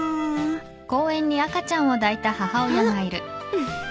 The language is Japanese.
うん！？